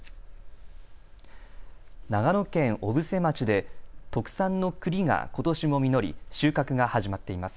長野県小布施町で特産のくりがことしも実り収穫が始まっています。